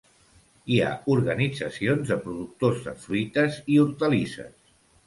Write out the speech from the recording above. Hi ha organitzacions de productors de fruites i hortalisses.